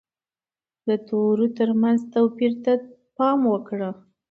د تورو ترمنځ توپیر ته پام وکړه.